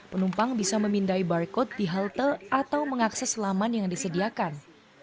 penumpang bisa memindai barcode di halte atau mengakses laman yang disediakan